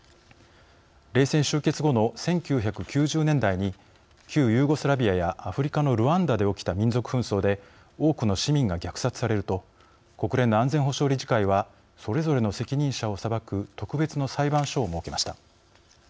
冷戦終結後の１９９０年代に旧ユーゴスラビアやアフリカのルワンダで起きた民族紛争で多くの市民が虐殺されると国連の安全保障理事会はそれぞれの責任者を裁く特別の裁判所を設けました。